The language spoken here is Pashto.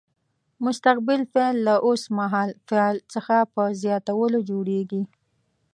مستقبل فعل له اوس مهال فعل څخه په زیاتولو جوړیږي.